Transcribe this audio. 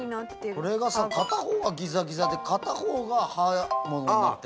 これがさ片方がギザギザで片方が刃物になってんの。